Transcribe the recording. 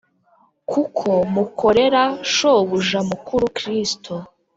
kuko mukorera Shobuja mukuru Kristo